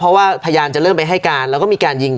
เพราะว่าพยานจะเริ่มไปให้การแล้วก็มีการยิง